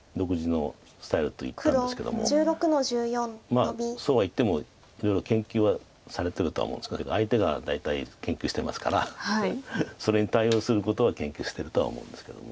まあそうはいってもいろいろ研究はされてると思うんですけど相手が大体研究してますからそれに対応することは研究してるとは思うんですけども。